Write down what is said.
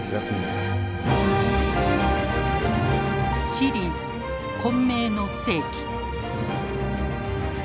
シリーズ「混迷の世紀」。